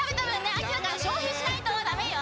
秋だからしょうひしないとダメよ。